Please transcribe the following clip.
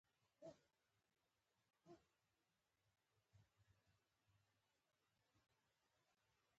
د خدای په وړاندې هم کېږي.